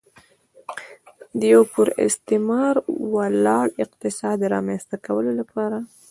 د یوه پر استثمار ولاړ اقتصاد رامنځته کولو لپاره.